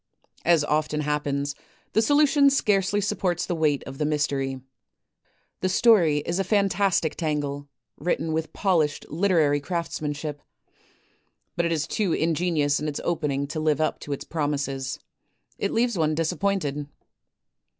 ' As often happens, the solution scarcely supports the weight of the mystery. The story is a fantastic tangle, written with polished literary craftsmanship. But it is too ingenious in its opening to live up to its promises. It leaves one disap pointed."